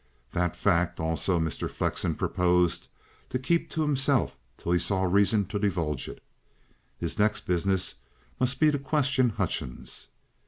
That fact, also, Mr. Flexen proposed to keep to himself till he saw reason to divulge it. His next business must be to question Hutchings.